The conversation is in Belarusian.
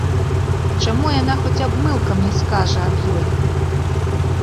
Чаму яна хоць абмылкам не скажа аб ёй?